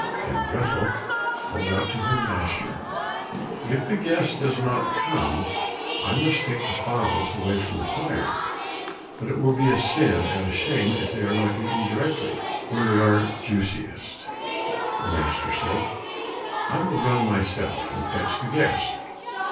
Then Grethel called out to her master, "If the guest does not come, I must take the fowls away from the fire, but it will be a sin and a shame if they are not eaten directly, when they are juiciest." The master said, "I will run myself, and fetch the guest."